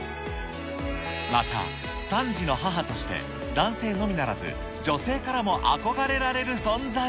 また、３児の母として、男性のみならず、女性からも憧れられる存在。